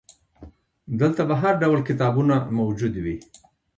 دلته به هرډول کتابونه موجود وي.